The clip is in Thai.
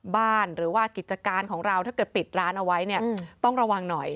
หรือว่ากิจการของเราถ้าเกิดปิดร้านเอาไว้เนี่ยต้องระวังหน่อย